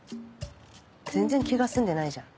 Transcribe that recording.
全然気が済んでないじゃん。